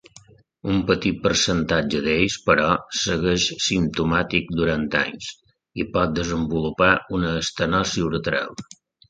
Un petit percentatge d'ells, però, segueix simptomàtic durant anys i pot desenvolupar una estenosi uretral.